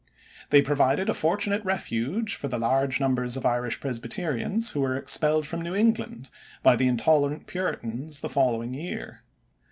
They provided a fortunate refuge for the large numbers of Irish Presbyterians who were expelled from New England by the intolerant Puritans the following year.